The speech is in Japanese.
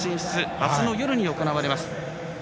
あすの夜に行われます。